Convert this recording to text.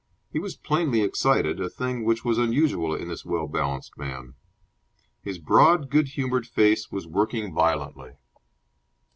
He was plainly excited, a thing which was unusual in this well balanced man. His broad, good humoured face was working violently.